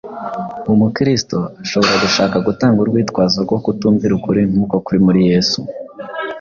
Umukristo ashobora gushaka gutanga urwitwazo rwo kutumvira ukuri nk’uko kuri muri Yesu;